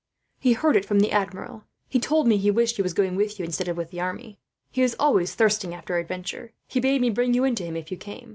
He heard it from the Admiral. He told me he wished he was going with you, instead of with the army. He is always thirsting after adventure. He bade me bring you in to him, if you came.